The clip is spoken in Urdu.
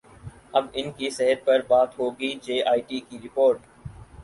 اب ان کی صحت پر بات ہوگی جے آئی ٹی کی رپورٹ